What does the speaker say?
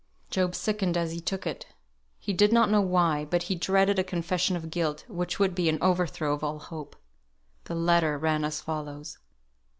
Job sickened as he took it. He did not know why, but he dreaded a confession of guilt, which would be an overthrow of all hope. The letter ran as follows.